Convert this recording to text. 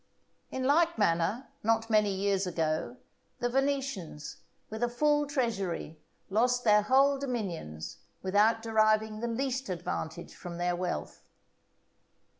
In like manner, not many years ago, the Venetians, with a full treasury, lost their whole dominions without deriving the least advantage from their wealth.